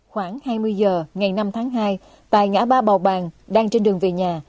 khoảng hai mươi giờ ngày năm tháng hai tại ngã ba bầu bàng đang trên đường về nhà